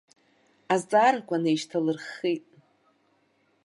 Азҵаарақәа неишьҭалырххит.